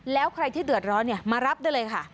แล้วใครที่เดือดร้อนมารับได้เลยค่ะ